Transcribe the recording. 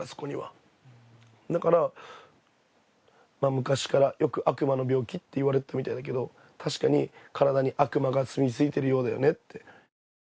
昔からよく悪魔の病気って言われてたみたいだけど、確かに体に悪魔がすみついてるようだよねって。